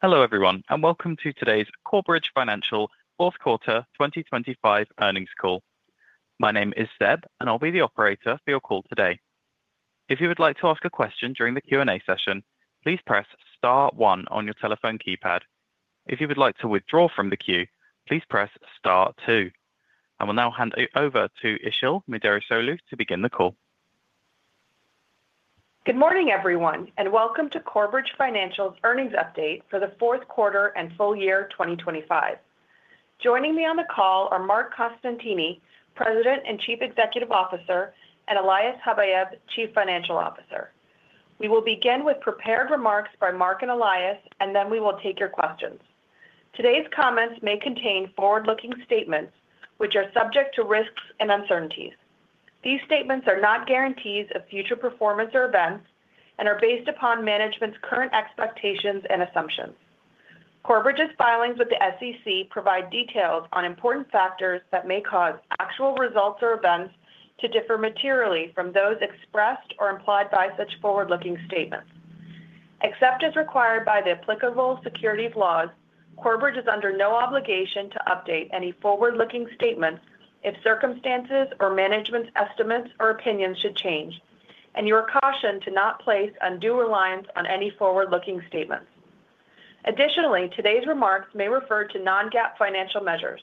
Hello everyone, and welcome to today's Corebridge Financial Q4 2025 Earnings Call. My name is Seb, and I'll be the operator for your call today. If you would like to ask a question during the Q&A session, please press star one on your telephone keypad. If you would like to withdraw from the queue, please press star two. I will now hand it over to Isil Muderrisoglu to begin the call. Good morning everyone, and welcome to Corebridge Financial's earnings update for the Q4 and full year 2025. Joining me on the call are Marc Costantini, President and Chief Executive Officer, and Elias Habayeb, Chief Financial Officer. We will begin with prepared remarks by Mark and Elias, and then we will take your questions. Today's comments may contain forward-looking statements, which are subject to risks and uncertainties. These statements are not guarantees of future performance or events and are based upon management's current expectations and assumptions. Corebridge's filings with the SEC provide details on important factors that may cause actual results or events to differ materially from those expressed or implied by such forward-looking statements. Except as required by the applicable securities laws, Corebridge is under no obligation to update any forward-looking statements if circumstances or management's estimates or opinions should change, and you are cautioned to not place undue reliance on any forward-looking statements. Additionally, today's remarks may refer to non-GAAP financial measures.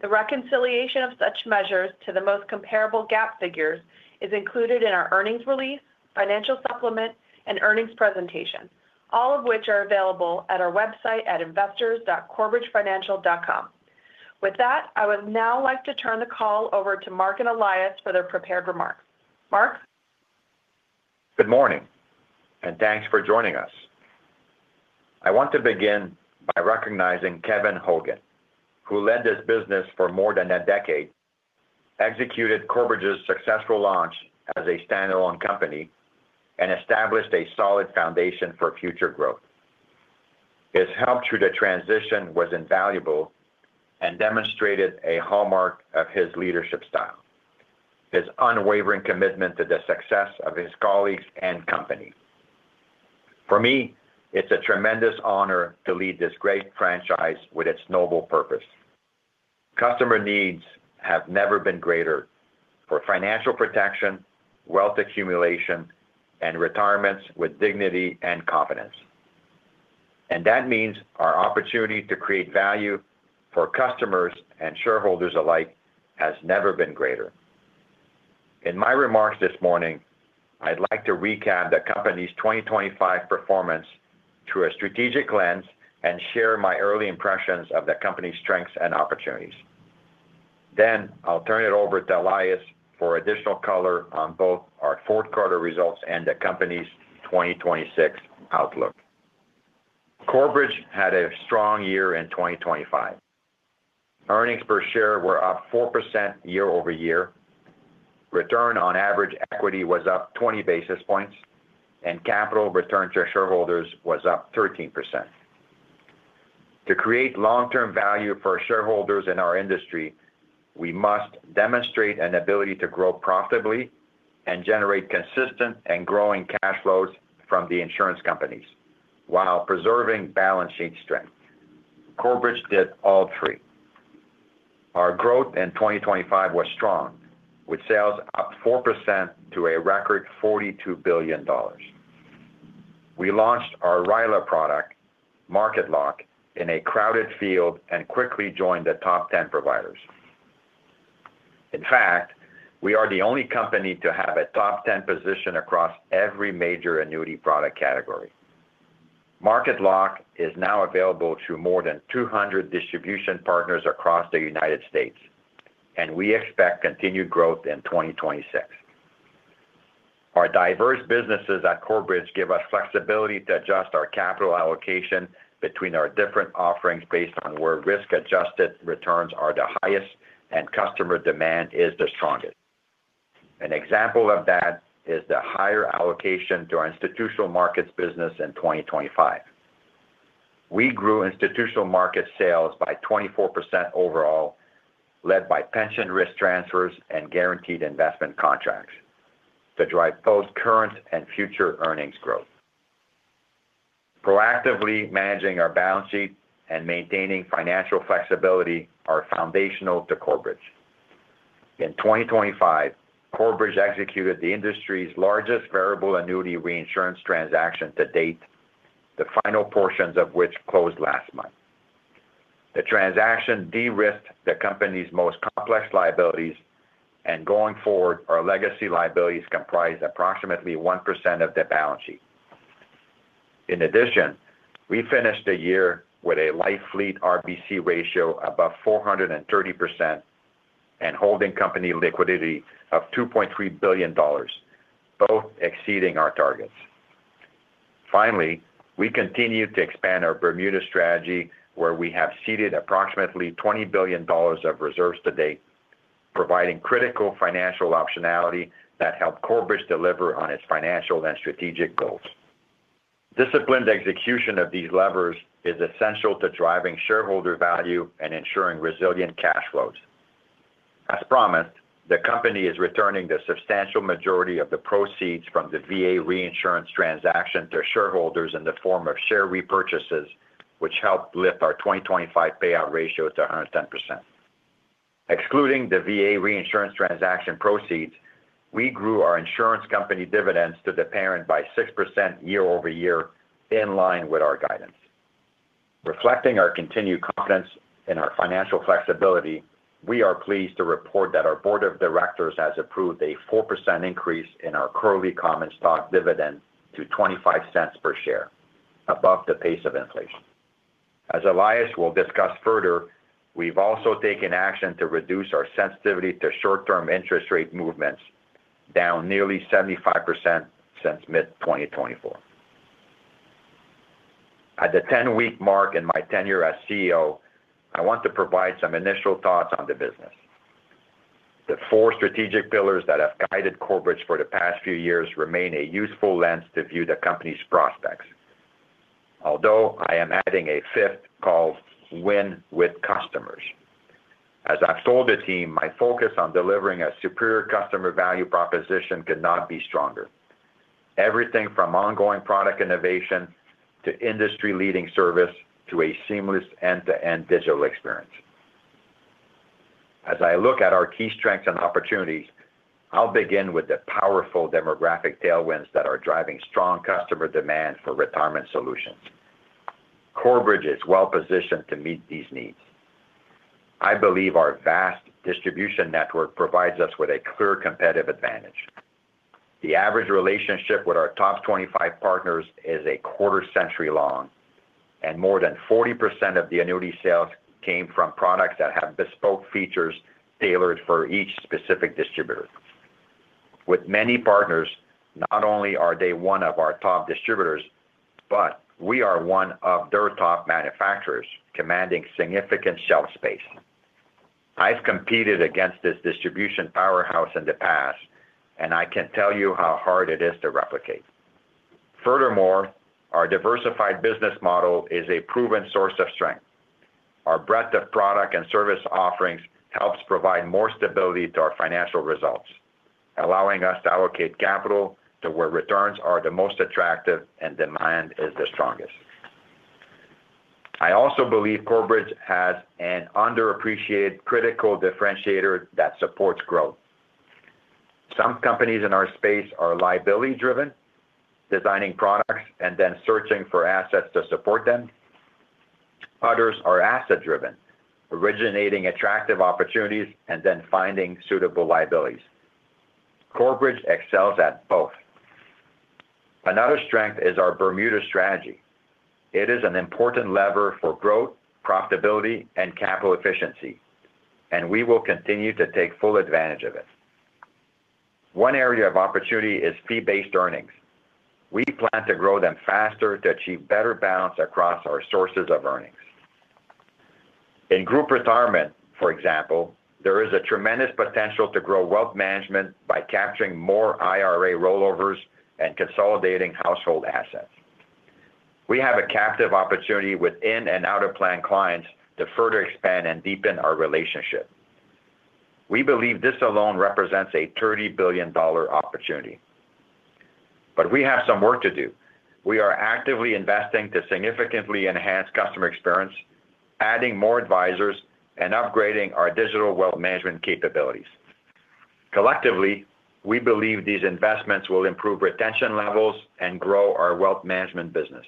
The reconciliation of such measures to the most comparable GAAP figures is included in our earnings release, financial supplement, and earnings presentation, all of which are available at our website at investors.corebridgefinancial.com. With that, I would now like to turn the call over to Mark and Elias for their prepared remarks. Mark? Good morning, and thanks for joining us. I want to begin by recognizing Kevin Hogan, who led this business for more than a decade, executed Corebridge's successful launch as a standalone company, and established a solid foundation for future growth. His help through the transition was invaluable and demonstrated a hallmark of his leadership style, his unwavering commitment to the success of his colleagues and company. For me, it's a tremendous honor to lead this great franchise with its noble purpose. Customer needs have never been greater for financial protection, wealth accumulation, and retirements with dignity and confidence. And that means our opportunity to create value for customers and shareholders alike has never been greater. In my remarks this morning, I'd like to recap the company's 2025 performance through a strategic lens and share my early impressions of the company's strengths and opportunities. I'll turn it over to Elias for additional color on both our Q4 results and the company's 2026 outlook. Corebridge had a strong year in 2025. Earnings per share were up 4% year-over-year, return on average equity was up 20 basis points, and capital return to shareholders was up 13%. To create long-term value for shareholders in our industry, we must demonstrate an ability to grow profitably and generate consistent and growing cash flows from the insurance companies while preserving balance sheet strength. Corebridge did all three. Our growth in 2025 was strong, with sales up 4% to a record $42 billion. We launched our RILA product, MarketLock, in a crowded field and quickly joined the top 10 providers. In fact, we are the only company to have a top 10 position across every major annuity product category. MarketLock is now available to more than 200 distribution partners across the United States, and we expect continued growth in 2026. Our diverse businesses at Corebridge give us flexibility to adjust our capital allocation between our different offerings based on where risk-adjusted returns are the highest and customer demand is the strongest. An example of that is the higher allocation to our Institutional Markets business in 2025. We grew Institutional Markets sales by 24% overall, led by pension risk transfers and guaranteed investment contracts, to drive both current and future earnings growth. Proactively managing our balance sheet and maintaining financial flexibility are foundational to Corebridge. In 2025, Corebridge executed the industry's largest variable annuity reinsurance transaction to date, the final portions of which closed last month. The transaction de-risked the company's most complex liabilities, and going forward, our legacy liabilities comprise approximately 1% of the balance sheet. In addition, we finished the year with a Life Fleet RBC ratio above 430% and holding company liquidity of $2.3 billion, both exceeding our targets. Finally, we continue to expand our Bermuda strategy, where we have ceded approximately $20 billion of reserves to date, providing critical financial optionality that helped Corebridge deliver on its financial and strategic goals. Disciplined execution of these levers is essential to driving shareholder value and ensuring resilient cash flows. As promised, the company is returning the substantial majority of the proceeds from the VA reinsurance transaction to shareholders in the form of share repurchases, which helped lift our 2025 payout ratio to 110%. Excluding the VA reinsurance transaction proceeds, we grew our insurance company dividends to the parent by 6% year-over-year, in line with our guidance. Reflecting our continued confidence in our financial flexibility, we are pleased to report that our board of directors has approved a 4% increase in our Corebridge common stock dividend to $0.25 per share, above the pace of inflation. As Elias will discuss further, we've also taken action to reduce our sensitivity to short-term interest rate movements down nearly 75% since mid-2024. At the 10-week mark in my tenure as CEO, I want to provide some initial thoughts on the business. The four strategic pillars that have guided Corebridge for the past few years remain a useful lens to view the company's prospects, although I am adding a fifth called win with customers. As I've told the team, my focus on delivering a superior customer value proposition cannot be stronger: everything from ongoing product innovation to industry-leading service to a seamless end-to-end digital experience. As I look at our key strengths and opportunities, I'll begin with the powerful demographic tailwinds that are driving strong customer demand for retirement solutions. Corebridge is well-positioned to meet these needs. I believe our vast distribution network provides us with a clear competitive advantage. The average relationship with our top 25 partners is a quarter-century long, and more than 40% of the annuity sales came from products that have bespoke features tailored for each specific distributor. With many partners, not only are they one of our top distributors, but we are one of their top manufacturers, commanding significant shelf space. I've competed against this distribution powerhouse in the past, and I can tell you how hard it is to replicate. Furthermore, our diversified business model is a proven source of strength. Our breadth of product and service offerings helps provide more stability to our financial results, allowing us to allocate capital to where returns are the most attractive and demand is the strongest. I also believe Corebridge has an underappreciated critical differentiator that supports growth. Some companies in our space are liability-driven, designing products and then searching for assets to support them. Others are asset-driven, originating attractive opportunities and then finding suitable liabilities. Corebridge excels at both. Another strength is our Bermuda strategy. It is an important lever for growth, profitability, and capital efficiency, and we will continue to take full advantage of it. One area of opportunity is fee-based earnings. We plan to grow them faster to achieve better balance across our sources of earnings. In Group Retirement, for example, there is a tremendous potential to grow wealth management by capturing more IRA rollovers and consolidating household assets. We have a captive opportunity within and out of planned clients to further expand and deepen our relationship. We believe this alone represents a $30 billion opportunity. But we have some work to do. We are actively investing to significantly enhance customer experience, adding more advisors, and upgrading our digital wealth management capabilities. Collectively, we believe these investments will improve retention levels and grow our wealth management business.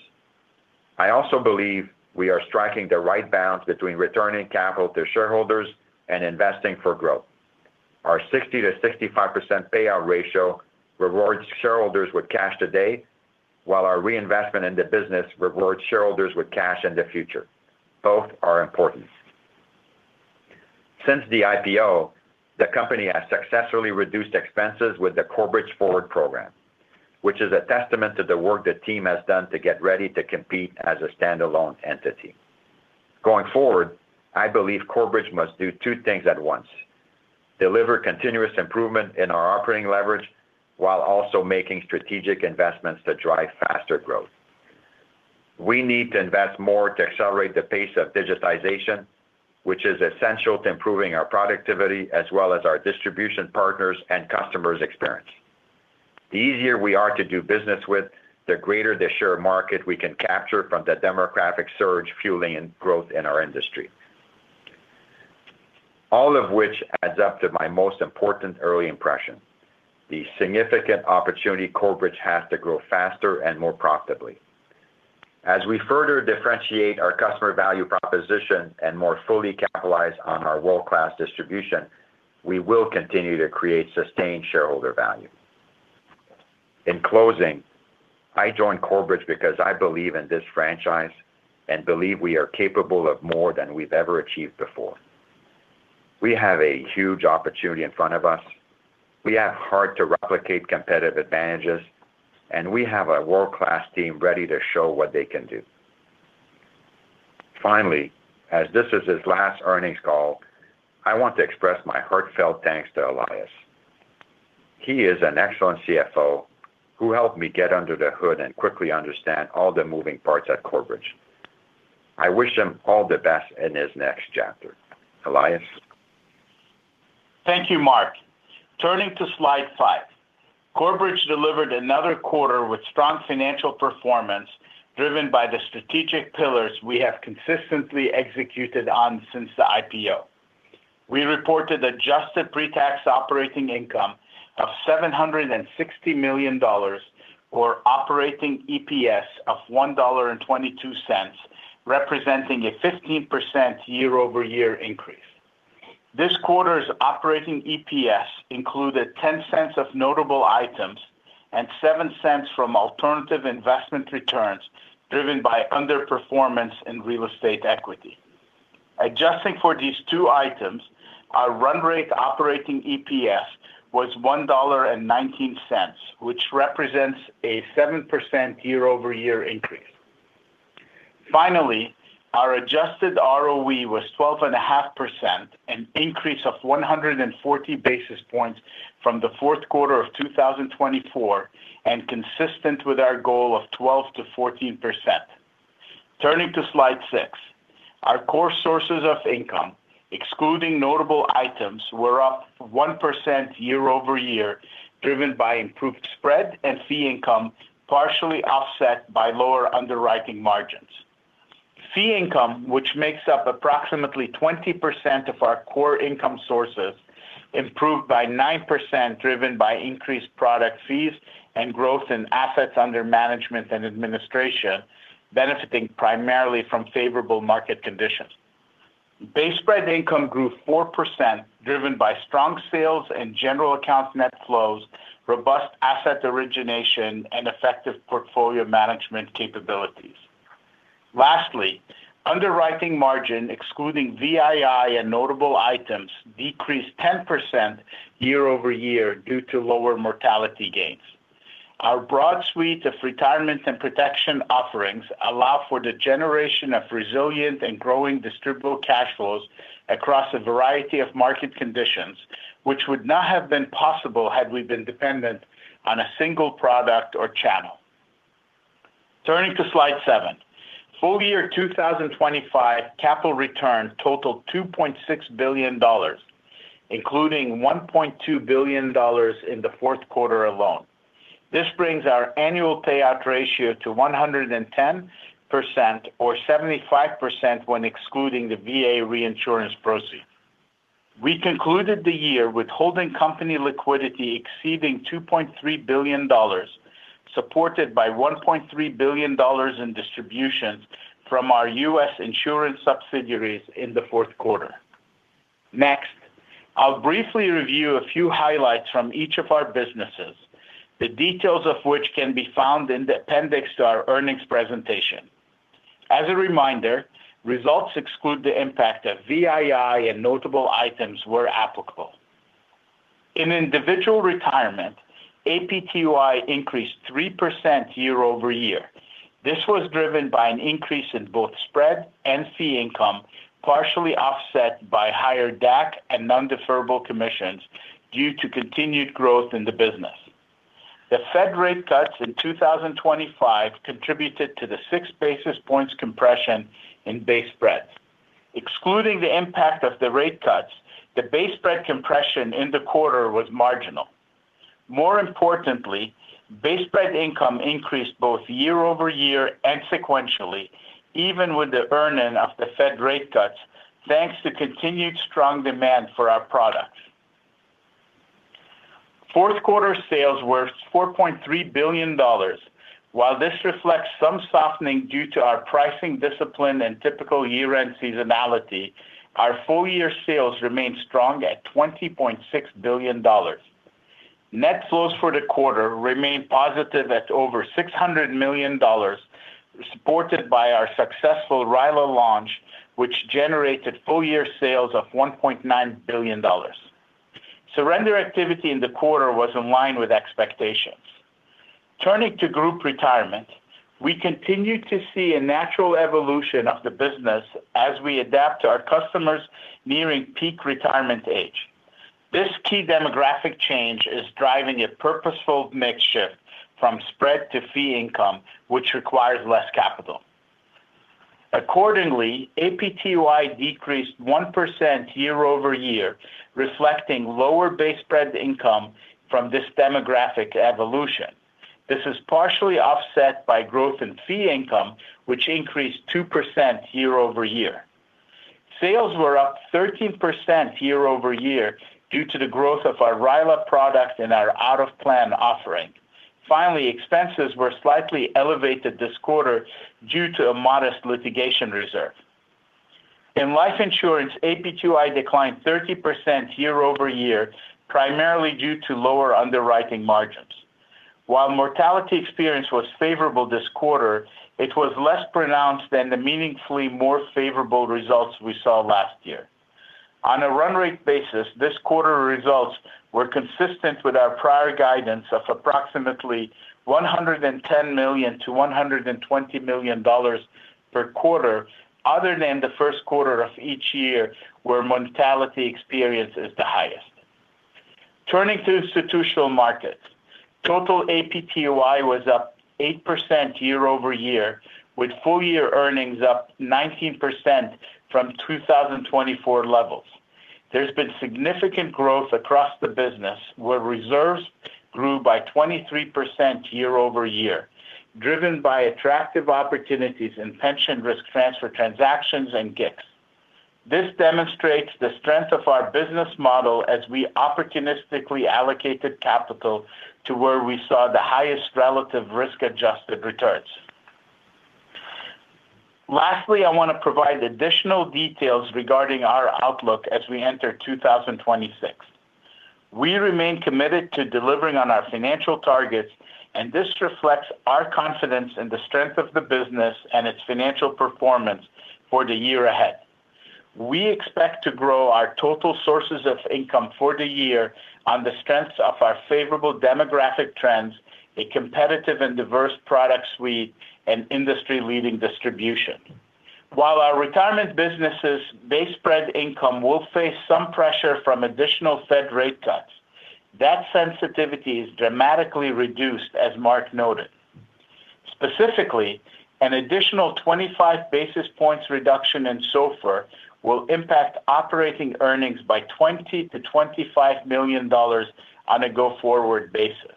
I also believe we are striking the right balance between returning capital to shareholders and investing for growth. Our 60%-65% payout ratio rewards shareholders with cash today, while our reinvestment in the business rewards shareholders with cash in the future. Both are important. Since the IPO, the company has successfully reduced expenses with the Corebridge Forward Program, which is a testament to the work the team has done to get ready to compete as a standalone entity. Going forward, I believe Corebridge must do two things at once: deliver continuous improvement in our operating leverage while also making strategic investments to drive faster growth. We need to invest more to accelerate the pace of digitization, which is essential to improving our productivity as well as our distribution partners' and customers' experience. The easier we are to do business with, the greater the share market we can capture from the demographic surge fueling growth in our industry, all of which adds up to my most important early impression: the significant opportunity Corebridge has to grow faster and more profitably. As we further differentiate our customer value proposition and more fully capitalize on our world-class distribution, we will continue to create sustained shareholder value. In closing, I joined Corebridge because I believe in this franchise and believe we are capable of more than we've ever achieved before. We have a huge opportunity in front of us. We have hard-to-replicate competitive advantages, and we have a world-class team ready to show what they can do. Finally, as this is his last earnings call, I want to express my heartfelt thanks to Elias. He is an excellent CFO who helped me get under the hood and quickly understand all the moving parts at Corebridge. I wish him all the best in his next chapter. Elias? Thank you, Mark. Turning to slide 5. Corebridge delivered another quarter with strong financial performance driven by the strategic pillars we have consistently executed on since the IPO. We reported adjusted pre-tax operating income of $760 million, or operating EPS of $1.22, representing a 15% year-over-year increase. This quarter's operating EPS included $0.10 of notable items and $0.07 from alternative investment returns driven by underperformance in real estate equity. Adjusting for these two items, our run-rate operating EPS was $1.19, which represents a 7% year-over-year increase. Finally, our adjusted ROE was 12.5%, an increase of 140 basis points from the Q4 of 2024 and consistent with our goal of 12%-14%. Turning to slide 6. Our core sources of income, excluding notable items, were up 1% year-over-year driven by improved spread and fee income, partially offset by lower underwriting margins. Fee income, which makes up approximately 20% of our core income sources, improved by 9% driven by increased product fees and growth in assets under management and administration, benefiting primarily from favorable market conditions. Base spread income grew 4% driven by strong sales and general accounts net flows, robust asset origination, and effective portfolio management capabilities. Lastly, underwriting margin, excluding VII and notable items, decreased 10% year-over-year due to lower mortality gains. Our broad suite of retirement and protection offerings allow for the generation of resilient and growing distributable cash flows across a variety of market conditions, which would not have been possible had we been dependent on a single product or channel. Turning to slide 7. Full year 2025 capital return totaled $2.6 billion, including $1.2 billion in the Q4 alone. This brings our annual payout ratio to 110%, or 75% when excluding the VA reinsurance proceeds. We concluded the year with holding company liquidity exceeding $2.3 billion, supported by $1.3 billion in distributions from our U.S. insurance subsidiaries in the Q4. Next, I'll briefly review a few highlights from each of our businesses, the details of which can be found in the appendix to our earnings presentation. As a reminder, results exclude the impact of VII and notable items where applicable. In Individual Retirement, APTOI increased 3% year-over-year. This was driven by an increase in both spread and fee income, partially offset by higher DAC and non-deferrable commissions due to continued growth in the business. The Fed rate cuts in 2025 contributed to the 6 basis points compression in base spread. Excluding the impact of the rate cuts, the base spread compression in the quarter was marginal. More importantly, base spread income increased both year-over-year and sequentially, even with the earning of the Fed rate cuts, thanks to continued strong demand for our products. Q4 sales were $4.3 billion. While this reflects some softening due to our pricing discipline and typical year-end seasonality, our full year sales remained strong at $20.6 billion. Net flows for the quarter remained positive at over $600 million, supported by our successful RILA launch, which generated full year sales of $1.9 billion. Surrender activity in the quarter was in line with expectations. Turning to Group Retirement, we continue to see a natural evolution of the business as we adapt to our customers nearing peak retirement age. This key demographic change is driving a purposeful mix shift from spread to fee income, which requires less capital. Accordingly, APTOI decreased 1% year-over-year, reflecting lower base spread income from this demographic evolution. This is partially offset by growth in fee income, which increased 2% year-over-year. Sales were up 13% year-over-year due to the growth of our RILA product and our out-of-plan offering. Finally, expenses were slightly elevated this quarter due to a modest litigation reserve. In Life Insurance, APTOI declined 30% year-over-year, primarily due to lower underwriting margins. While mortality experience was favorable this quarter, it was less pronounced than the meaningfully more favorable results we saw last year. On a run-rate basis, this quarter results were consistent with our prior guidance of approximately $110-$120 million per quarter, other than the Q1 of each year where mortality experience is the highest. Turning to Institutional Markets, total APTOI was up 8% year-over-year, with full year earnings up 19% from 2024 levels. There's been significant growth across the business, where reserves grew by 23% year-over-year, driven by attractive opportunities in pension risk transfer transactions and GICs. This demonstrates the strength of our business model as we opportunistically allocated capital to where we saw the highest relative risk-adjusted returns. Lastly, I want to provide additional details regarding our outlook as we enter 2026. We remain committed to delivering on our financial targets, and this reflects our confidence in the strength of the business and its financial performance for the year ahead. We expect to grow our total sources of income for the year on the strengths of our favorable demographic trends, a competitive and diverse product suite, and industry-leading distribution. While our retirement businesses' base spread income will face some pressure from additional Fed rate cuts, that sensitivity is dramatically reduced, as Mark noted. Specifically, an additional 25 basis points reduction in SOFR will impact operating earnings by $20-$25 million on a go-forward basis.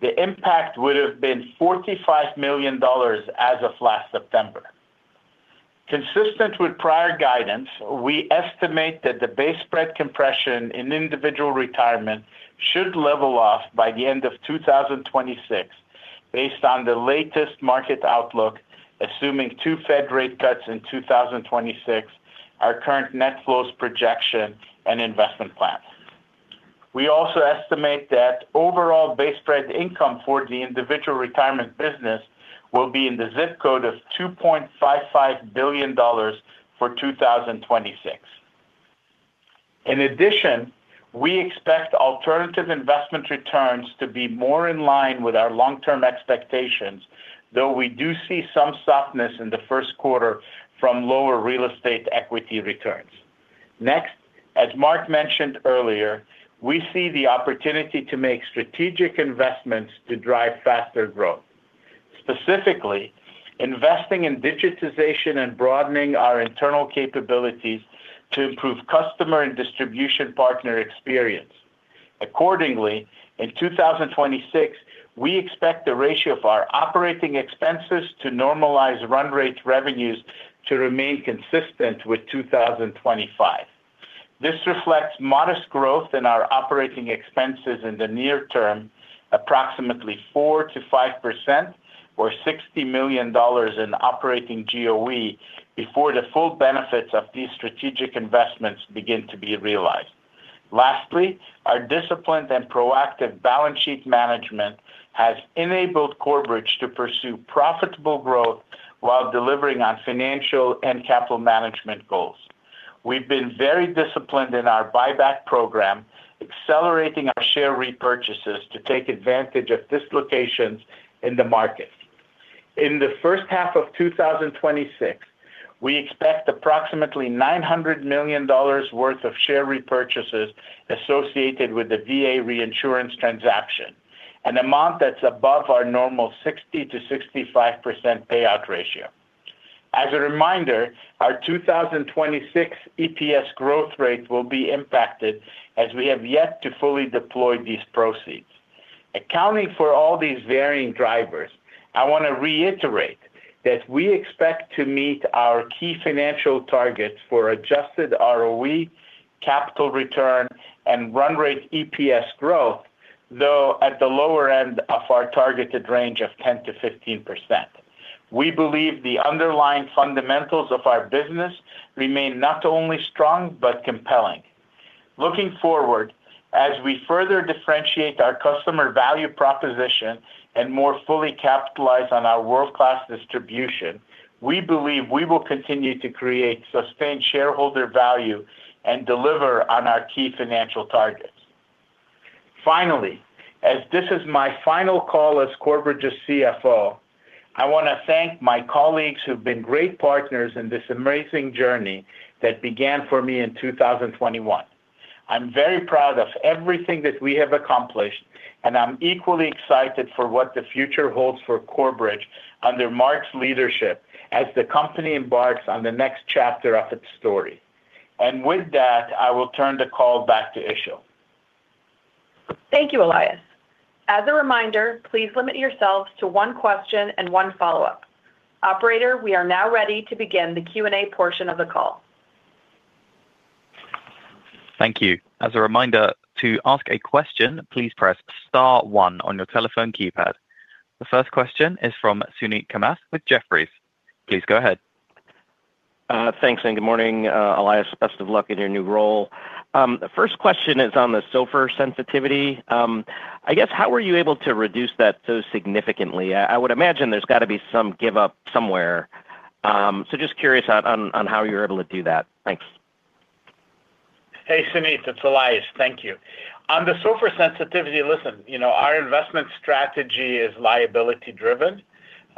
The impact would have been $45 million as of last September. Consistent with prior guidance, we estimate that the base spread compression in Individual Retirement should level off by the end of 2026 based on the latest market outlook, assuming two Fed rate cuts in 2026, our current net flows projection, and investment plans. We also estimate that overall base spread income for the Individual Retirement business will be in the ZIP code of $2.55 billion for 2026. In addition, we expect alternative investment returns to be more in line with our long-term expectations, though we do see some softness in the Q1 from lower real estate equity returns. Next, as Mark mentioned earlier, we see the opportunity to make strategic investments to drive faster growth. Specifically, investing in digitization and broadening our internal capabilities to improve customer and distribution partner experience. Accordingly, in 2026, we expect the ratio of our operating expenses to normalized run-rate revenues to remain consistent with 2025. This reflects modest growth in our operating expenses in the near term, approximately 4%-5%, or $60 million in operating GOE before the full benefits of these strategic investments begin to be realized. Lastly, our disciplined and proactive balance sheet management has enabled Corebridge to pursue profitable growth while delivering on financial and capital management goals. We've been very disciplined in our buyback program, accelerating our share repurchases to take advantage of dislocations in the market. In the first half of 2026, we expect approximately $900 million worth of share repurchases associated with the VA reinsurance transaction, an amount that's above our normal 60%-65% payout ratio. As a reminder, our 2026 EPS growth rate will be impacted as we have yet to fully deploy these proceeds. Accounting for all these varying drivers, I want to reiterate that we expect to meet our key financial targets for adjusted ROE, capital return, and run-rate EPS growth, though at the lower end of our targeted range of 10%-15%. We believe the underlying fundamentals of our business remain not only strong but compelling. Looking forward, as we further differentiate our customer value proposition and more fully capitalize on our world-class distribution, we believe we will continue to create, sustain shareholder value, and deliver on our key financial targets. Finally, as this is my final call as Corebridge's CFO, I want to thank my colleagues who've been great partners in this amazing journey that began for me in 2021. I'm very proud of everything that we have accomplished, and I'm equally excited for what the future holds for Corebridge under Mark's leadership as the company embarks on the next chapter of its story. With that, I will turn the call back to Işıl. Thank you, Elias. As a reminder, please limit yourselves to one question and one follow-up. Operator, we are now ready to begin the Q&A portion of the call. Thank you. As a reminder, to ask a question, please press Star 1 on your telephone keypad. The first question is from Suneet Kamath with Jefferies. Please go ahead. Thanks, and good morning, Elias. Best of luck in your new role. The first question is on the SOFR sensitivity. I guess, how were you able to reduce that so significantly? I would imagine there's got to be some give-up somewhere. So just curious on how you were able to do that. Thanks. Hey, Suneet. It's Elias. Thank you. On the SOFR sensitivity, listen, our investment strategy is liability-driven,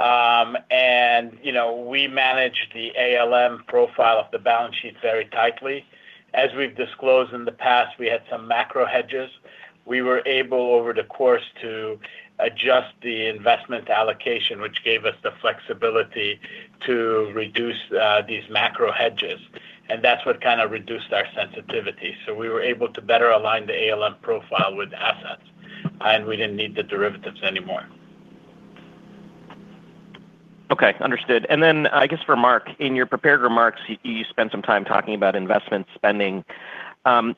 and we manage the ALM profile of the balance sheet very tightly. As we've disclosed in the past, we had some macro hedges. We were able, over the course, to adjust the investment allocation, which gave us the flexibility to reduce these macro hedges. And that's what kind of reduced our sensitivity. So we were able to better align the ALM profile with assets, and we didn't need the derivatives anymore. Okay. Understood. And then, I guess, for Mark, in your prepared remarks, you spent some time talking about investment spending.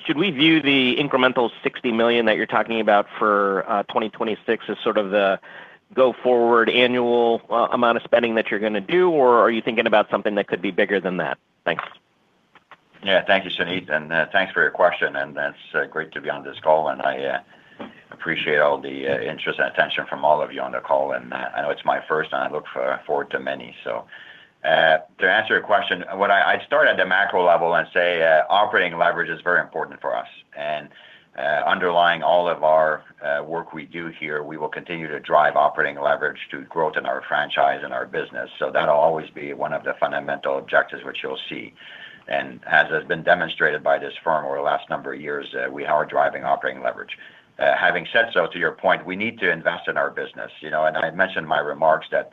Should we view the incremental $60 million that you're talking about for 2026 as sort of the go-forward annual amount of spending that you're going to do, or are you thinking about something that could be bigger than that? Thanks. Yeah. Thank you, Suneet. And thanks for your question. And it's great to be on this call, and I appreciate all the interest and attention from all of you on the call. And I know it's my first, and I look forward to many, so. To answer your question, I'd start at the macro level and say operating leverage is very important for us. And underlying all of our work we do here, we will continue to drive operating leverage to growth in our franchise and our business. So that'll always be one of the fundamental objectives which you'll see. And as has been demonstrated by this firm over the last number of years, we are driving operating leverage. Having said so, to your point, we need to invest in our business. And I had mentioned in my remarks that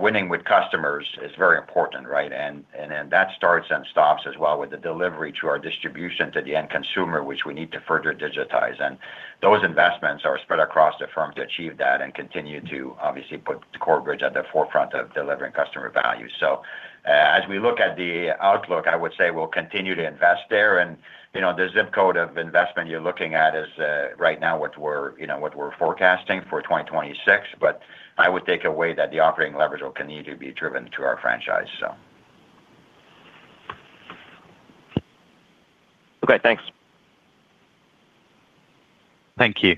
winning with customers is very important, right? And that starts and stops as well with the delivery to our distribution to the end consumer, which we need to further digitize. And those investments are spread across the firm to achieve that and continue to, obviously, put Corebridge at the forefront of delivering customer value. So as we look at the outlook, I would say we'll continue to invest there. And the ZIP code of investment you're looking at is right now what we're forecasting for 2026. But I would take away that the operating leverage will continue to be driven to our franchise, so. Okay. Thanks. Thank you.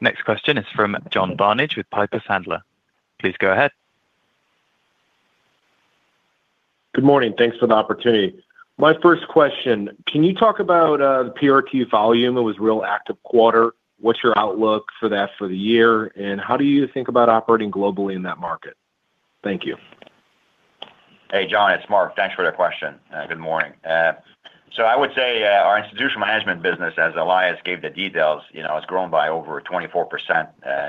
Next question is from John Barnidge with Piper Sandler. Please go ahead. Good morning. Thanks for the opportunity. My first question: can you talk about the PRT volume? It was a real active quarter. What's your outlook for that for the year, and how do you think about operating globally in that market? Thank you. Hey, John. It's Mark. Thanks for the question. Good morning. So I would say our institutional management business, as Elias gave the details, has grown by over 24%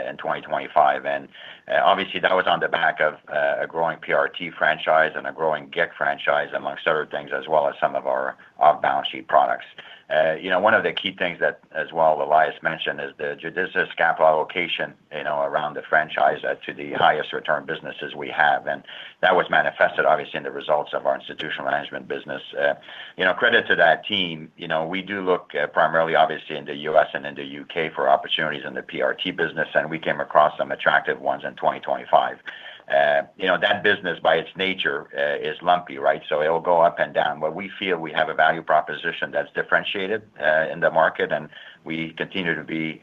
in 2025. And obviously, that was on the back of a growing PRT franchise and a growing GIC franchise, amongst other things, as well as some of our off-balance sheet products. One of the key things that, as well, Elias mentioned is the judicious capital allocation around the franchise to the highest return businesses we have. And that was manifested, obviously, in the results of our institutional management business. Credit to that team, we do look primarily, obviously, in the U.S. and in the U.K. for opportunities in the PRT business, and we came across some attractive ones in 2025. That business, by its nature, is lumpy, right? So it'll go up and down. But we feel we have a value proposition that's differentiated in the market, and we continue to be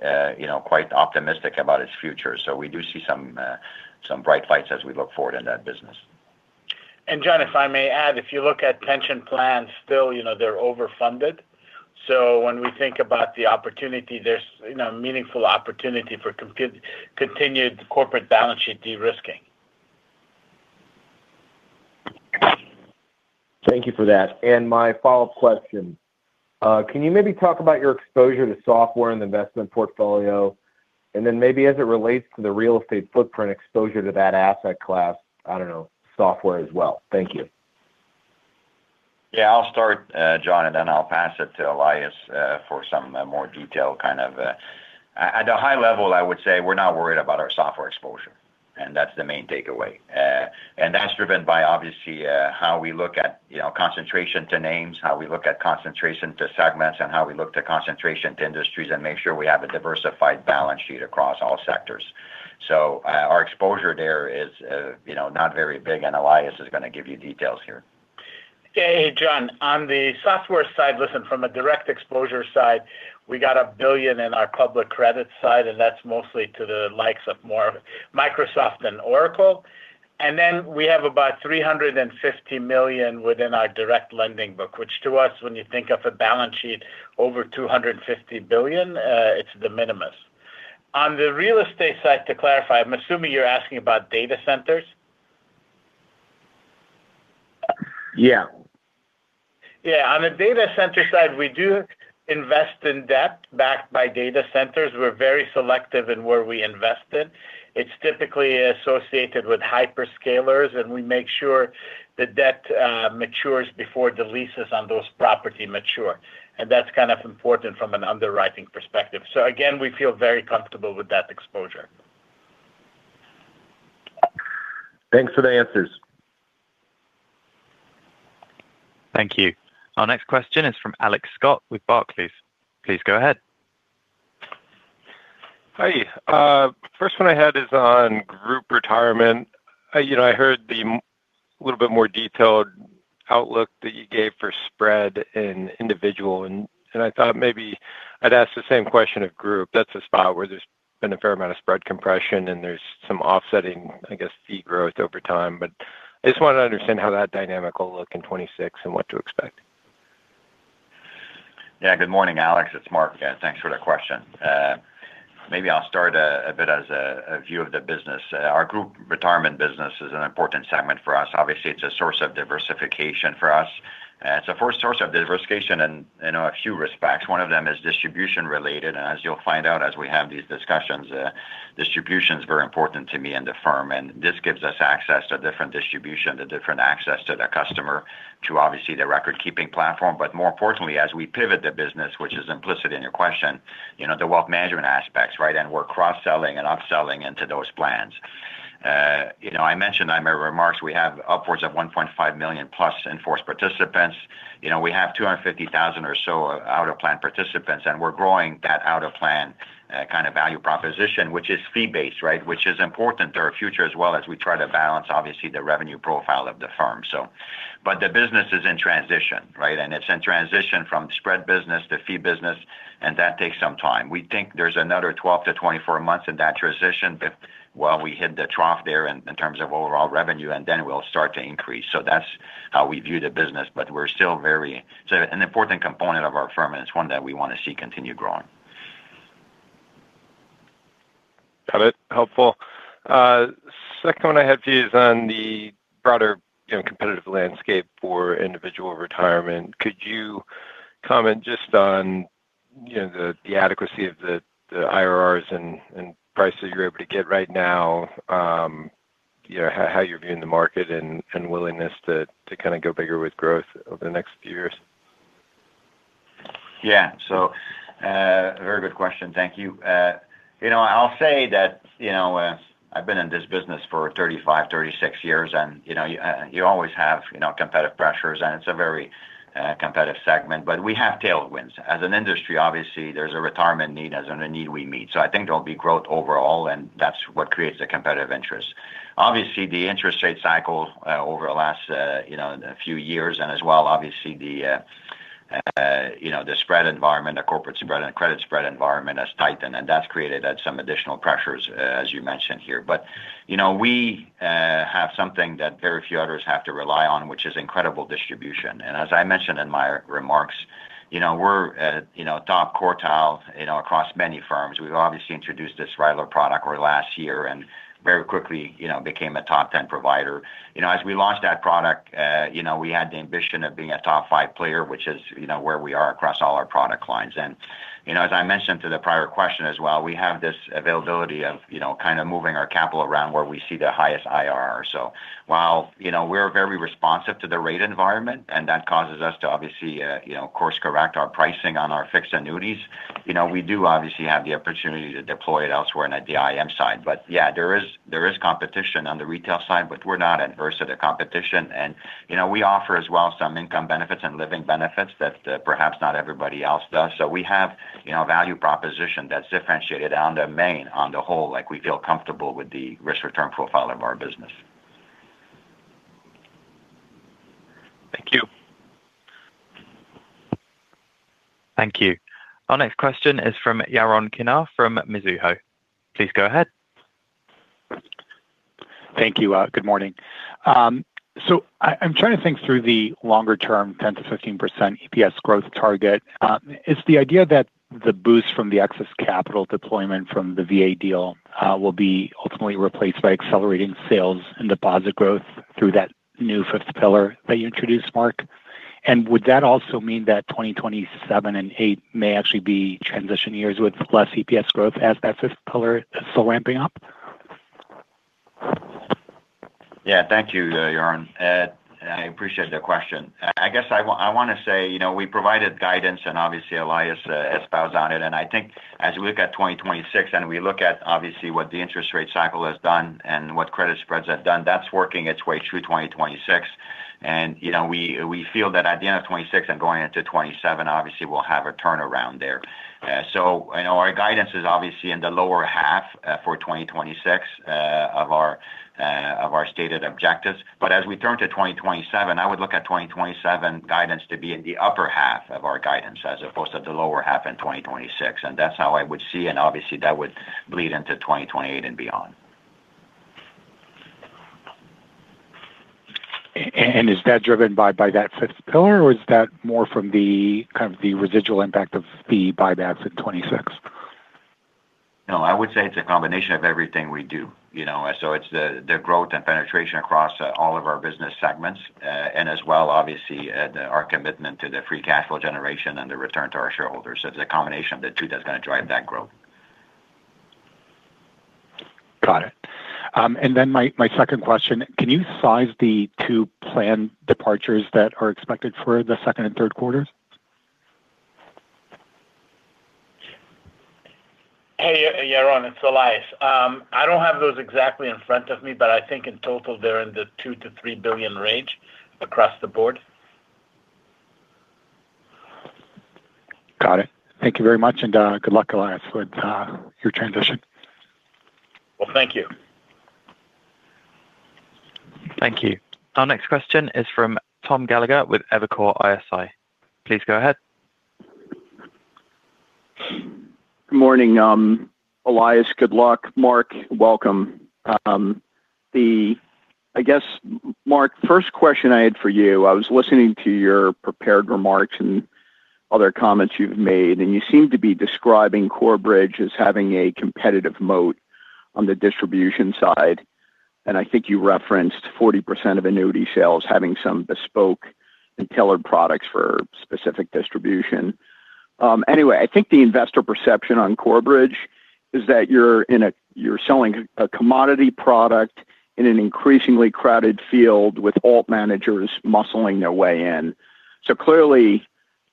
quite optimistic about its future. So we do see some bright lights as we look forward in that business. John, if I may add, if you look at pension plans, still, they're overfunded. So when we think about the opportunity, there's meaningful opportunity for continued corporate balance sheet de-risking. Thank you for that. My follow-up question, can you maybe talk about your exposure to software in the investment portfolio, and then maybe as it relates to the real estate footprint exposure to that asset class, I don't know, software as well? Thank you. Yeah. I'll start, John, and then I'll pass it to Elias for some more detailed kind of at a high level. I would say, we're not worried about our software exposure, and that's the main takeaway. And that's driven by, obviously, how we look at concentration to names, how we look at concentration to segments, and how we look to concentration to industries, and make sure we have a diversified balance sheet across all sectors. So our exposure there is not very big, and Elias is going to give you details here. Hey, John. On the software side, listen, from a direct exposure side, we got $1 billion in our public credit side, and that's mostly to the likes of more Microsoft than Oracle. And then we have about $350 million within our direct lending book, which to us, when you think of a balance sheet over $250 billion, it's de minimis. On the real estate side, to clarify, I'm assuming you're asking about data centers? Yeah. Yeah. On the data center side, we do invest in debt backed by data centers. We're very selective in where we invest it. It's typically associated with hyperscalers, and we make sure the debt matures before the leases on those properties mature. And that's kind of important from an underwriting perspective. So again, we feel very comfortable with that exposure. Thanks for the answers. Thank you. Our next question is from Alex Scott with Barclays. Please go ahead. Hey. First one I had is on Group Retirement. I heard the little bit more detailed outlook that you gave for spread and Individual, and I thought maybe I'd ask the same question of Group. That's a spot where there's been a fair amount of spread compression, and there's some offsetting, I guess, fee growth over time. But I just wanted to understand how that dynamic will look in 2026 and what to expect. Yeah. Good morning, Alex. It's Mark. Thanks for the question. Maybe I'll start a bit as a view of the business. Our Group Retirement business is an important segment for us. Obviously, it's a source of diversification for us. It's a source of diversification in a few respects. One of them is distribution-related. And as you'll find out, as we have these discussions, distribution is very important to me and the firm. And this gives us access to different distribution, to different access to the customer, to obviously the record-keeping platform. But more importantly, as we pivot the business, which is implicit in your question, the wealth management aspects, right? And we're cross-selling and upselling into those plans. I mentioned in my remarks, we have upwards of 1.5 million-plus enrolled participants. We have 250,000 or so out-of-plan participants, and we're growing that out-of-plan kind of value proposition, which is fee-based, right? Which is important to our future as well as we try to balance, obviously, the revenue profile of the firm, so. But the business is in transition, right? And it's in transition from spread business to fee business, and that takes some time. We think there's another 12-24 months in that transition while we hit the trough there in terms of overall revenue, and then we'll start to increase. So that's how we view the business. But we're still very it's an important component of our firm, and it's one that we want to see continue growing. Got it. Helpful. Second one I had for you is on the broader competitive landscape for Individual Retirement. Could you comment just on the adequacy of the IRRs and prices you're able to get right now, how you're viewing the market, and willingness to kind of go bigger with growth over the next few years? Yeah. So very good question. Thank you. I'll say that I've been in this business for 35, 36 years, and you always have competitive pressures, and it's a very competitive segment. But we have tailwinds. As an industry, obviously, there's a retirement need as in a need we meet. So I think there'll be growth overall, and that's what creates the competitive interest. Obviously, the interest rate cycle over the last few years and as well, obviously, the spread environment, the corporate spread and credit spread environment has tightened, and that's created some additional pressures, as you mentioned here. But we have something that very few others have to rely on, which is incredible distribution. And as I mentioned in my remarks, we're top quartile across many firms. We've obviously introduced this RILA product over the last year and very quickly became a top 10 provider. As we launched that product, we had the ambition of being a top 5 player, which is where we are across all our product lines. And as I mentioned to the prior question as well, we have this availability of kind of moving our capital around where we see the highest IRR. So while we're very responsive to the rate environment, and that causes us to obviously course-correct our pricing on our fixed annuities, we do obviously have the opportunity to deploy it elsewhere on the IM side. But yeah, there is competition on the retail side, but we're not adverse to the competition. And we offer as well some income benefits and living benefits that perhaps not everybody else does. So we have value proposition that's differentiated on the main, on the whole. We feel comfortable with the risk-return profile of our business. Thank you. Thank you. Our next question is from Yaron Kinar from Mizuho. Please go ahead. Thank you. Good morning. So I'm trying to think through the longer-term 10%-15% EPS growth target. Is the idea that the boost from the excess capital deployment from the VA deal will be ultimately replaced by accelerating sales and deposit growth through that new fifth pillar that you introduced, Mark? And would that also mean that 2027 and 2028 may actually be transition years with less EPS growth as that fifth pillar is still ramping up? Yeah. Thank you, Yaron. I appreciate the question. I guess I want to say we provided guidance, and obviously, Elias espoused on it. And I think as we look at 2026 and we look at, obviously, what the interest rate cycle has done and what credit spreads have done, that's working its way through 2026. And we feel that at the end of 2026 and going into 2027, obviously, we'll have a turnaround there. So our guidance is obviously in the lower half for 2026 of our stated objectives. But as we turn to 2027, I would look at 2027 guidance to be in the upper half of our guidance as opposed to the lower half in 2026. And that's how I would see it, and obviously, that would bleed into 2028 and beyond. Is that driven by that fifth pillar, or is that more from kind of the residual impact of fee buybacks in 2026? No. I would say it's a combination of everything we do. So it's the growth and penetration across all of our business segments and as well, obviously, our commitment to the free cash flow generation and the return to our shareholders. So it's a combination of the two that's going to drive that growth. Got it. And then my second question, can you size the two planned departures that are expected for the second and third quarters? Hey, Yaron. It's Elias. I don't have those exactly in front of me, but I think in total, they're in the $2 billion-$3 billion range across the board. Got it. Thank you very much, and good luck, Elias, with your transition. Well, thank you. Thank you. Our next question is from Tom Gallagher with Evercore ISI. Please go ahead. Good morning, Elias. Good luck, Mark. Welcome. I guess, Mark, first question I had for you, I was listening to your prepared remarks and other comments you've made, and you seem to be describing Corebridge as having a competitive moat on the distribution side. I think you referenced 40% of annuity sales having some bespoke and tailored products for a specific distribution. Anyway, I think the investor perception on Corebridge is that you're selling a commodity product in an increasingly crowded field with alt managers muscling their way in. So clearly,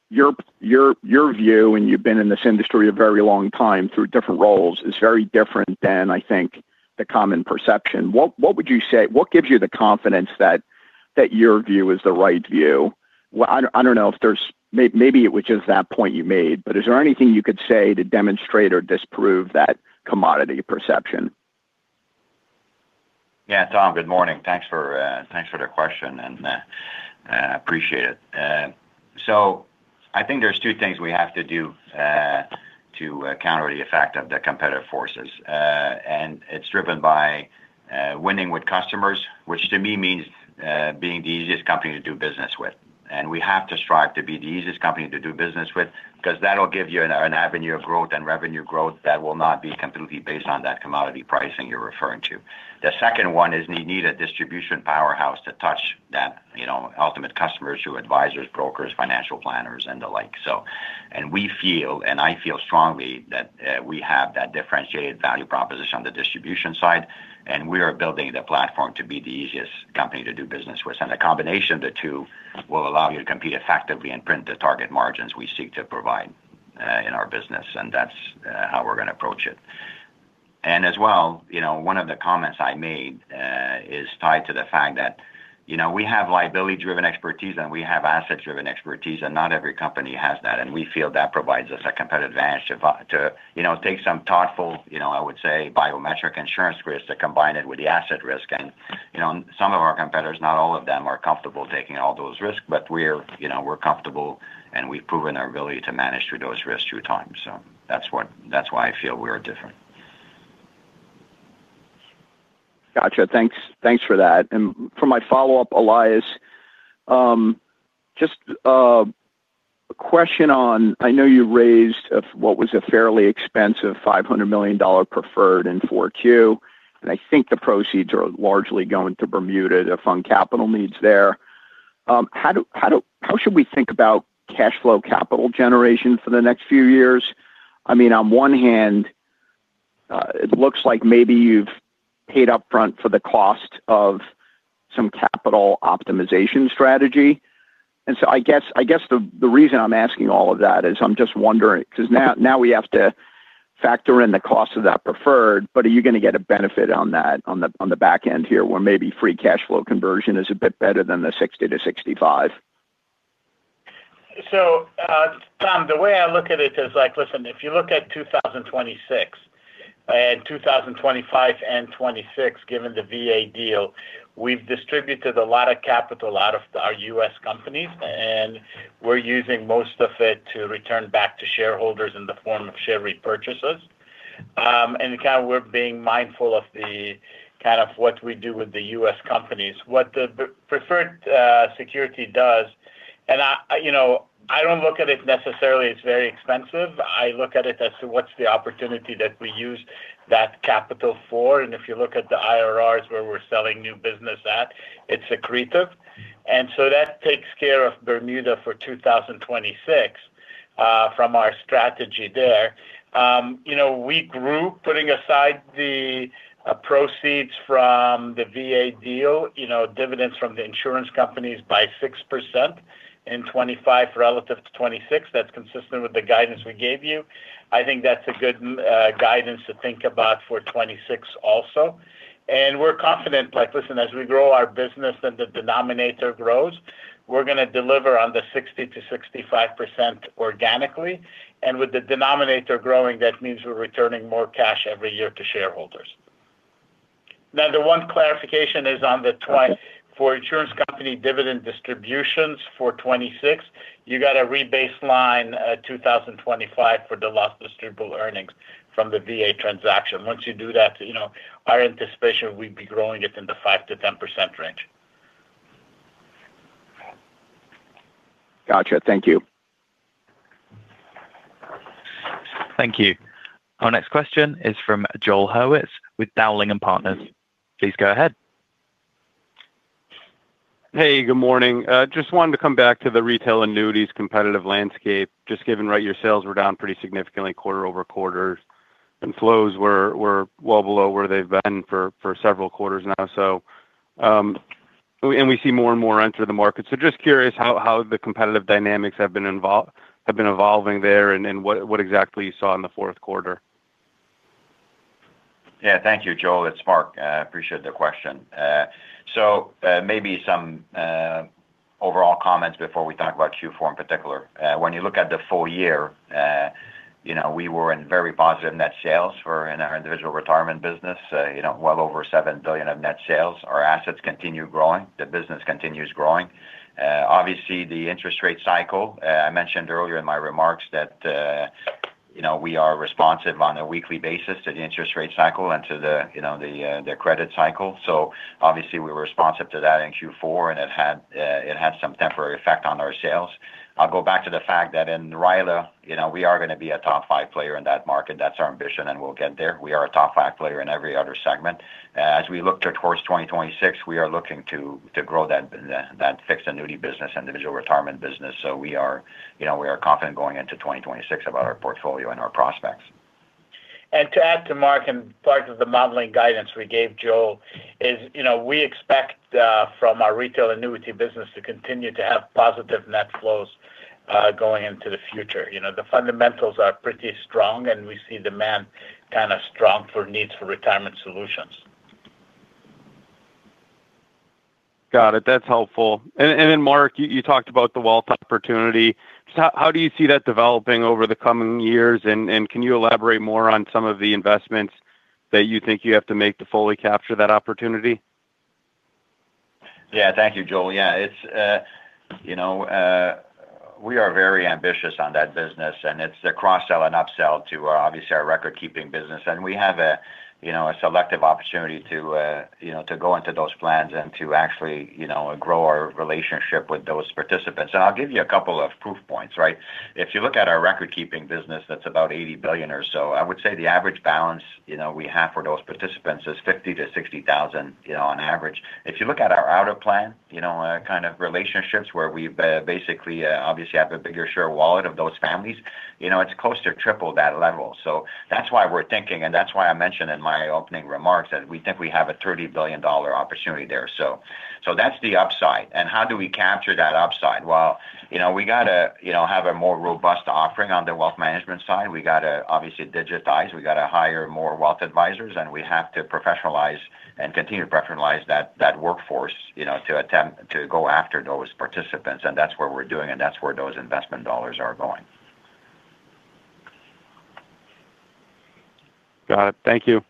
your view, and you've been in this industry a very long time through different roles, is very different than, I think, the common perception. What would you say what gives you the confidence that your view is the right view? I don't know if there's maybe it was just that point you made, but is there anything you could say to demonstrate or disprove that commodity perception? Yeah. Tom, good morning. Thanks for the question, and I appreciate it. So I think there's two things we have to do to counter the effect of the competitive forces. And it's driven by winning with customers, which to me means being the easiest company to do business with. And we have to strive to be the easiest company to do business with because that'll give you an avenue of growth and revenue growth that will not be completely based on that commodity pricing you're referring to. The second one is you need a distribution powerhouse to touch that ultimate customers through advisors, brokers, financial planners, and the like, so. And we feel, and I feel strongly, that we have that differentiated value proposition on the distribution side, and we are building the platform to be the easiest company to do business with. The combination of the two will allow you to compete effectively and print the target margins we seek to provide in our business, and that's how we're going to approach it. As well, one of the comments I made is tied to the fact that we have liability-driven expertise, and we have asset-driven expertise, and not every company has that. We feel that provides us a competitive advantage to take some thoughtful, I would say, biometric insurance risks to combine it with the asset risk. Some of our competitors, not all of them, are comfortable taking all those risks, but we're comfortable, and we've proven our ability to manage through those risks through time. That's why I feel we are different. Gotcha. Thanks for that. And for my follow-up, Elias, just a question on, I know you raised what was a fairly expensive $500 million preferred in 4Q, and I think the proceeds are largely going to Bermuda to fund capital needs there. How should we think about cash flow capital generation for the next few years? I mean, on one hand, it looks like maybe you've paid upfront for the cost of some capital optimization strategy. And so I guess the reason I'm asking all of that is I'm just wondering because now we have to factor in the cost of that preferred, but are you going to get a benefit on that on the back end here where maybe free cash flow conversion is a bit better than the 60%-65%? So Tom, the way I look at it is like, "Listen, if you look at 2026 and 2025 and 2026, given the VA deal, we've distributed a lot of capital out of our U.S. companies, and we're using most of it to return back to shareholders in the form of share repurchases. And kind of we're being mindful of kind of what we do with the U.S. companies, what the preferred security does." And I don't look at it necessarily as very expensive. I look at it as to what's the opportunity that we use that capital for. And if you look at the IRRs where we're selling new business at, it's attractive. And so that takes care of Bermuda for 2026 from our strategy there. We grew, putting aside the proceeds from the VA deal, dividends from the insurance companies by 6% in 2025 relative to 2026. That's consistent with the guidance we gave you. I think that's a good guidance to think about for 2026 also. And we're confident, like, "Listen, as we grow our business and the denominator grows, we're going to deliver on the 60%-65% organically. And with the denominator growing, that means we're returning more cash every year to shareholders." Now, the one clarification is on the for insurance company dividend distributions for 2026, you got to rebaseline 2025 for the lost distributable earnings from the VA transaction. Once you do that, our anticipation would be growing it in the 5%-10% range. Gotcha. Thank you. Thank you. Our next question is from Joel Hurwitz with Dowling & Partners. Please go ahead. Hey. Good morning. Just wanted to come back to the retail annuities competitive landscape. Just given right, your sales were down pretty significantly quarter-over-quarter, and flows were well below where they've been for several quarters now, so. And we see more and more enter the market. So just curious how the competitive dynamics have been evolving there and what exactly you saw in the Q4. Yeah. Thank you, Joel. It's Mark. I appreciate the question. So maybe some overall comments before we talk about Q4 in particular. When you look at the full year, we were in very positive net sales in our Individual Retirement business, well over $7 billion of net sales. Our assets continue growing. The business continues growing. Obviously, the interest rate cycle I mentioned earlier in my remarks that we are responsive on a weekly basis to the interest rate cycle and to the credit cycle. So obviously, we were responsive to that in Q4, and it had some temporary effect on our sales. I'll go back to the fact that in RILA, we are going to be a top 5 player in that market. That's our ambition, and we'll get there. We are a top 5 player in every other segment. As we look toward 2026, we are looking to grow that fixed annuity business, Individual Retirement business. So we are confident going into 2026 about our portfolio and our prospects. To add to Mark and part of the modeling guidance we gave Joel is we expect from our retail annuity business to continue to have positive net flows going into the future. The fundamentals are pretty strong, and we see demand kind of strong for needs for retirement solutions. Got it. That's helpful. Then, Mark, you talked about the wealth opportunity. How do you see that developing over the coming years, and can you elaborate more on some of the investments that you think you have to make to fully capture that opportunity? Yeah. Thank you, Joel. Yeah. We are very ambitious on that business, and it's a cross-sell and upsell to, obviously, our record-keeping business. And we have a selective opportunity to go into those plans and to actually grow our relationship with those participants. And I'll give you a couple of proof points, right? If you look at our record-keeping business, that's about $80 billion or so. I would say the average balance we have for those participants is $50,000-$60,000 on average. If you look at our out-of-plan kind of relationships where we basically, obviously, have a bigger share wallet of those families, it's close to triple that level. So that's why we're thinking, and that's why I mentioned in my opening remarks that we think we have a $30 billion opportunity there. So that's the upside. And how do we capture that upside? Well, we got to have a more robust offering on the wealth management side. We got to, obviously, digitize. We got to hire more wealth advisors, and we have to professionalize and continue to professionalize that workforce to go after those participants. And that's what we're doing, and that's where those investment dollars are going. Got it. Thank you.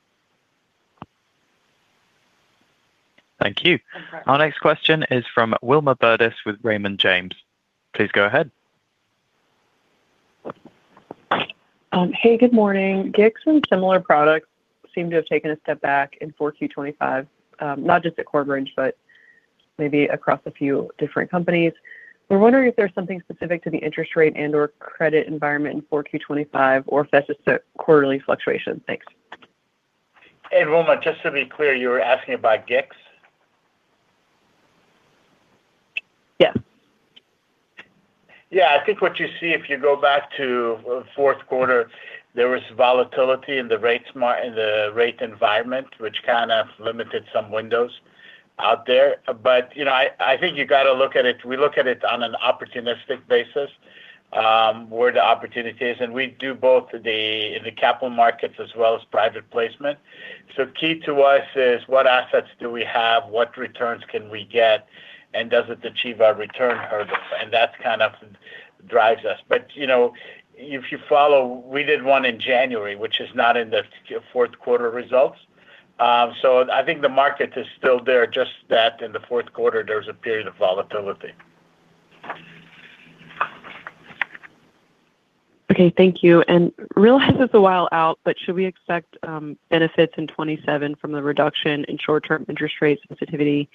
Thank you. Our next question is from Wilma Burdis with Raymond James. Please go ahead. Hey. Good morning. GICs and similar products seem to have taken a step back in 4Q25, not just at Corebridge, but maybe across a few different companies. We're wondering if there's something specific to the interest rate and/or credit environment in 4Q25 or if that's just quarterly fluctuation. Thanks. Hey, Wilma. Just to be clear, you were asking about GICs? Yes. Yeah. I think what you see, if you go back to Q4, there was volatility in the rate environment, which kind of limited some windows out there. But I think you got to look at it. We look at it on an opportunistic basis, where the opportunity is. And we do both in the capital markets as well as private placement. So key to us is what assets do we have, what returns can we get, and does it achieve our return hurdle? And that kind of drives us. But if you follow, we did one in January, which is not in the Q4 results. So I think the market is still there, just that in the Q4, there was a period of volatility. Okay. Thank you. And RILA's a while out, but should we expect benefits in 2027 from the reduction in short-term interest rate sensitivity?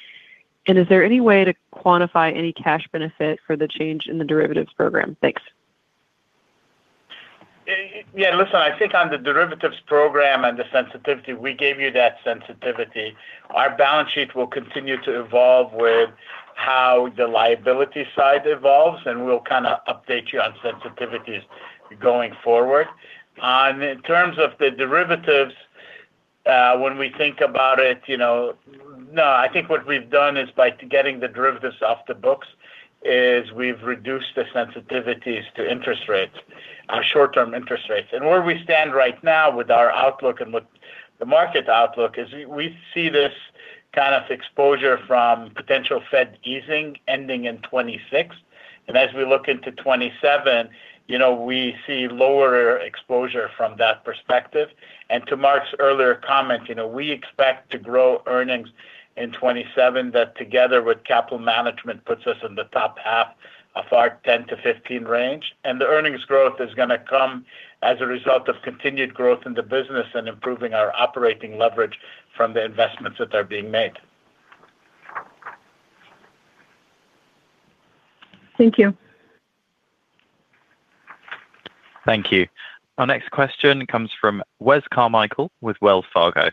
And is there any way to quantify any cash benefit for the change in the derivatives program? Thanks. Yeah. Listen, I think on the derivatives program and the sensitivity, we gave you that sensitivity. Our balance sheet will continue to evolve with how the liability side evolves, and we'll kind of update you on sensitivities going forward. In terms of the derivatives, when we think about it no, I think what we've done is by getting the derivatives off the books is we've reduced the sensitivities to interest rates, our short-term interest rates. And where we stand right now with our outlook and with the market outlook is we see this kind of exposure from potential Fed easing ending in 2026. And as we look into 2027, we see lower exposure from that perspective. And to Mark's earlier comment, we expect to grow earnings in 2027 that together with capital management puts us in the top half of our 10-15 range. The earnings growth is going to come as a result of continued growth in the business and improving our operating leverage from the investments that are being made. Thank you. Thank you. Our next question comes from Wes Carmichael with Wells Fargo.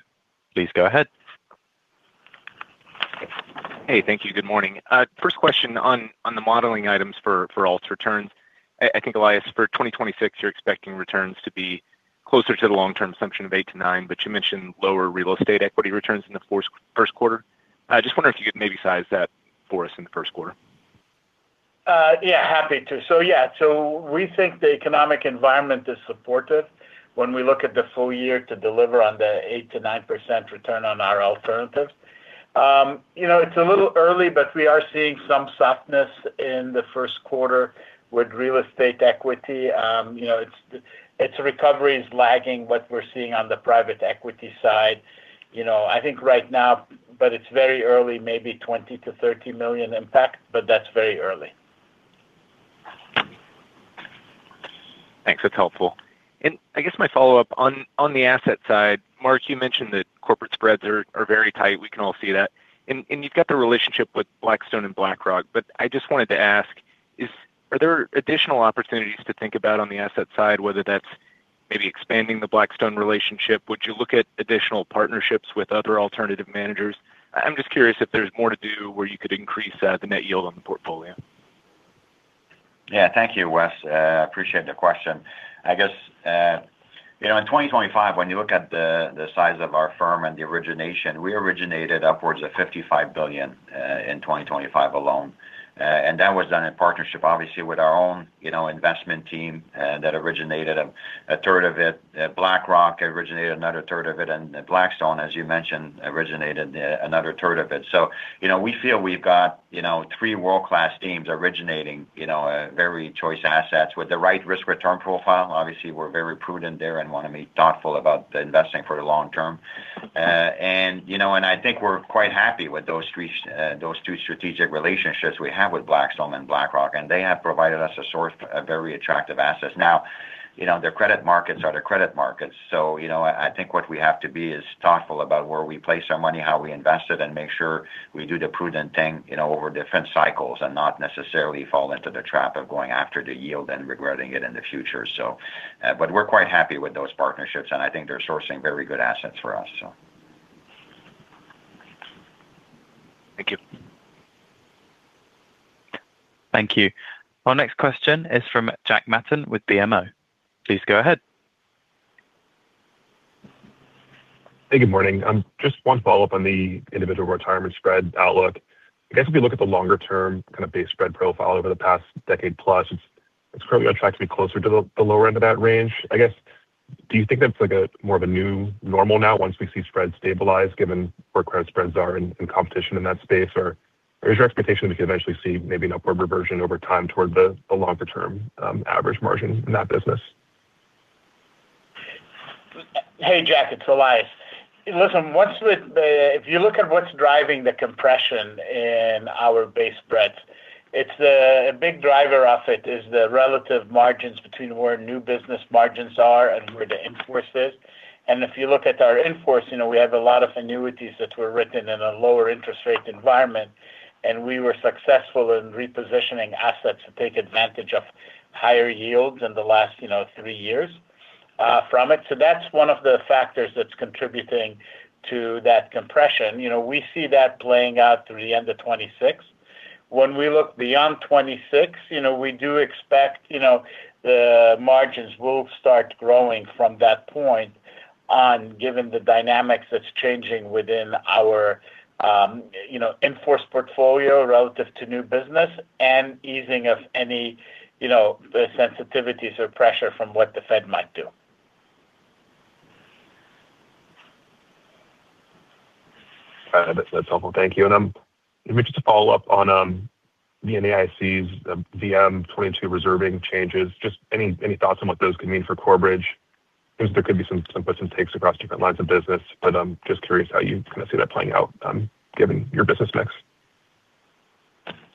Please go ahead. Hey. Thank you. Good morning. First question on the modeling items for alts returns. I think, Elias, for 2026, you're expecting returns to be closer to the long-term assumption of 8%-9%, but you mentioned lower real estate equity returns in the Q1. I just wonder if you could maybe size that for us in the Q1. Yeah. Happy to. So yeah. So we think the economic environment is supportive when we look at the full year to deliver on the 8%-9% return on our alternatives. It's a little early, but we are seeing some softness in the Q1 with real estate equity. Recovery is lagging what we're seeing on the private equity side. I think right now, but it's very early, maybe $20-$30 million impact, but that's very early. Thanks. That's helpful. And I guess my follow-up on the asset side, Mark, you mentioned that corporate spreads are very tight. We can all see that. And you've got the relationship with Blackstone and BlackRock, but I just wanted to ask, are there additional opportunities to think about on the asset side, whether that's maybe expanding the Blackstone relationship? Would you look at additional partnerships with other alternative managers? I'm just curious if there's more to do where you could increase the net yield on the portfolio. Yeah. Thank you, Wes. I appreciate the question. I guess in 2025, when you look at the size of our firm and the origination, we originated upwards of $55 billion in 2025 alone. And that was done in partnership, obviously, with our own investment team that originated a third of it. BlackRock originated another third of it, and Blackstone, as you mentioned, originated another third of it. So we feel we've got three world-class teams originating very choice assets with the right risk-return profile. Obviously, we're very prudent there and want to be thoughtful about investing for the long term. And I think we're quite happy with those two strategic relationships we have with Blackstone and BlackRock, and they have provided us a very attractive asset. Now, their credit markets are their credit markets. I think what we have to be is thoughtful about where we place our money, how we invest it, and make sure we do the prudent thing over different cycles and not necessarily fall into the trap of going after the yield and regretting it in the future, so. But we're quite happy with those partnerships, and I think they're sourcing very good assets for us, so. Thank you. Thank you. Our next question is from Jack Matten with BMO. Please go ahead. Hey. Good morning. Just one follow-up on the Individual Retirement spread outlook. I guess if we look at the longer-term kind of base spread profile over the past decade-plus, it's currently on track to be closer to the lower end of that range. I guess do you think that's more of a new normal now once we see spreads stabilize given where credit spreads are and competition in that space, or is your expectation that we could eventually see maybe an upward reversion over time toward the longer-term average margin in that business? Hey, Jack. It's Elias. Listen, if you look at what's driving the compression in our base spreads, a big driver of it is the relative margins between where new business margins are and where the in-force is. And if you look at our in-force, we have a lot of annuities that were written in a lower interest rate environment, and we were successful in repositioning assets to take advantage of higher yields in the last three years from it. So that's one of the factors that's contributing to that compression. We see that playing out through the end of 2026. When we look beyond 2026, we do expect the margins will start growing from that point given the dynamics that's changing within our in-force portfolio relative to new business and easing of any sensitivities or pressure from what the Fed might do. Got it. That's helpful. Thank you. Maybe just a follow-up on the NAIC's VM-22 reserving changes, just any thoughts on what those could mean for Corebridge. I guess there could be some puts and takes across different lines of business, but I'm just curious how you kind of see that playing out given your business mix.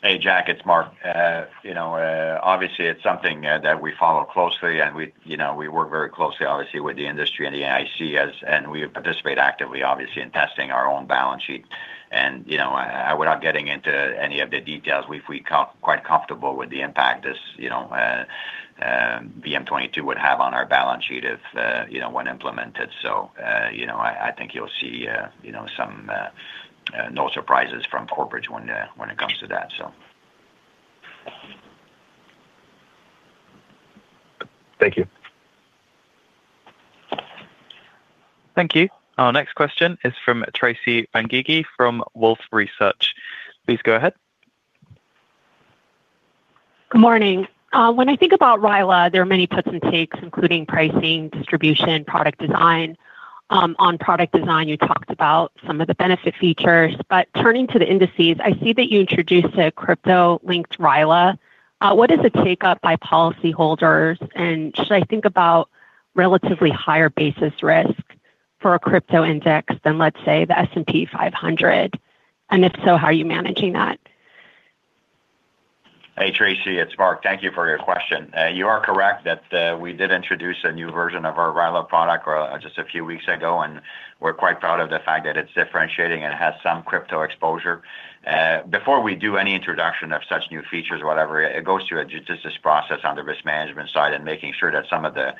Hey, Jack. It's Mark. Obviously, it's something that we follow closely, and we work very closely, obviously, with the industry and the NAIC, and we participate actively, obviously, in testing our own balance sheet. And without getting into any of the details, we'd feel quite comfortable with the impact this VM-22 would have on our balance sheet when implemented. So I think you'll see no surprises from Corebridge when it comes to that, so. Thank you. Thank you. Our next question is from Tracy Benguigui from Wolfe Research. Please go ahead. Good morning. When I think about RILA, there are many puts and takes, including pricing, distribution, product design. On product design, you talked about some of the benefit features. But turning to the indices, I see that you introduced a crypto-linked RILA. What is the take-up by policyholders, and should I think about relatively higher basis risk for a crypto index than, let's say, the S&P 500? And if so, how are you managing that? Hey, Tracy. It's Mark. Thank you for your question. You are correct that we did introduce a new version of our RILA product just a few weeks ago, and we're quite proud of the fact that it's differentiating and has some crypto exposure. Before we do any introduction of such new features or whatever, it goes through a judicious process on the risk management side and making sure that some of the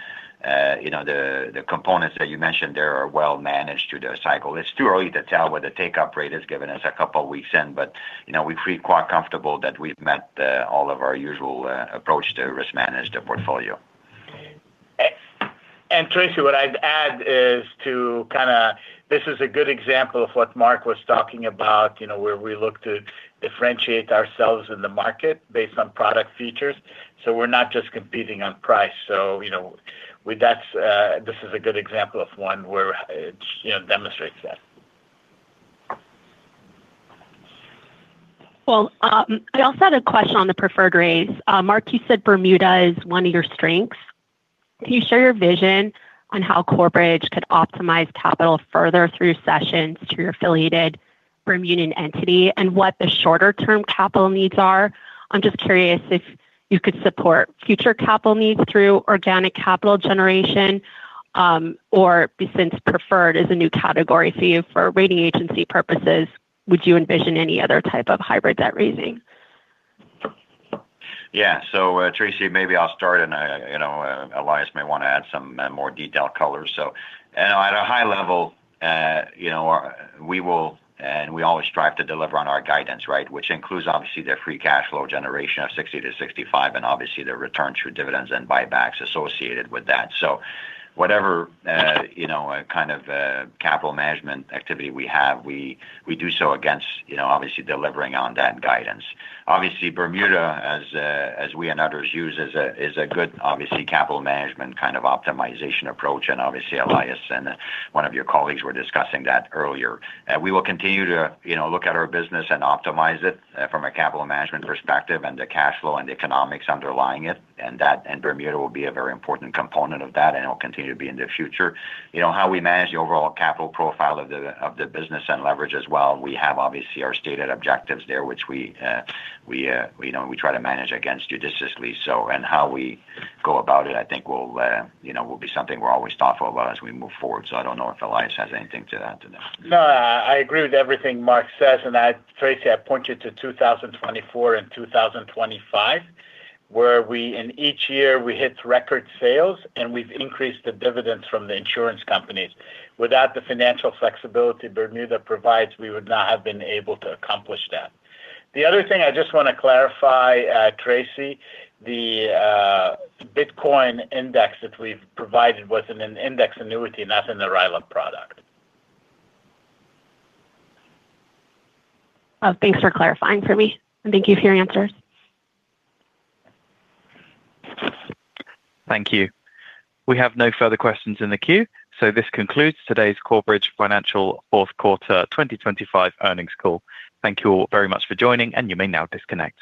components that you mentioned there are well managed through the cycle. It's too early to tell what the take-up rate is given it's a couple of weeks in, but we feel quite comfortable that we've met all of our usual approach to risk-manage the portfolio. And Tracy, what I'd add is too, kind of, this is a good example of what Mark was talking about, where we look to differentiate ourselves in the market based on product features. So we're not just competing on price. So this is a good example of one where it demonstrates that. Well, I also had a question on the preferred rates. Mark, you said Bermuda is one of your strengths. Can you share your vision on how Corebridge could optimize capital further through cessions to your affiliated Bermudian entity and what the shorter-term capital needs are? I'm just curious if you could support future capital needs through organic capital generation, or since preferred is a new category for you for rating agency purposes, would you envision any other type of hybrid debt raising? Yeah. So Tracy, maybe I'll start, and Elias may want to add some more detailed colors. So at a high level, we will and we always strive to deliver on our guidance, right, which includes, obviously, their free cash flow generation of $60-65 and, obviously, their returns through dividends and buybacks associated with that. So whatever kind of capital management activity we have, we do so against, obviously, delivering on that guidance. Obviously, Bermuda, as we and others use, is a good, obviously, capital management kind of optimization approach. And obviously, Elias and one of your colleagues were discussing that earlier. We will continue to look at our business and optimize it from a capital management perspective and the cash flow and the economics underlying it. And Bermuda will be a very important component of that, and it will continue to be in the future. How we manage the overall capital profile of the business and leverage as well, we have, obviously, our stated objectives there, which we try to manage against judiciously, so. And how we go about it, I think, will be something we're always thoughtful about as we move forward. So I don't know if Elias has anything to add to that. No, I agree with everything Mark says. And Tracy, I point you to 2024 and 2025, where each year, we hit record sales, and we've increased the dividends from the insurance companies. Without the financial flexibility Bermuda provides, we would not have been able to accomplish that. The other thing I just want to clarify, Tracy, the Bitcoin index that we've provided was in an index annuity, not in the RILA product. Thanks for clarifying for me. Thank you for your answers. Thank you. We have no further questions in the queue, so this concludes today's Corebridge Financial Q4 2025 Earnings Call. Thank you all very much for joining, and you may now disconnect.